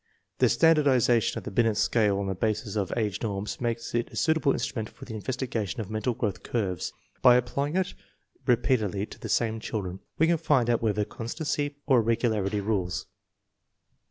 The Standardization of the Binet scale on the basis of age norms makes it a suitable instrument for the investiga tion of mental growth curves. By applying it re peatedly to the same children, we can find out whether constancy or irregularity rules.